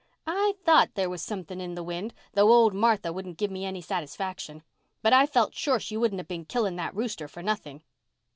"I thought there was something in the wind, though old Martha wouldn't give me any satisfaction. But I felt sure she wouldn't have been killing that rooster for nothing."